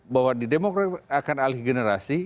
bahwa di demokrat akan alih generasi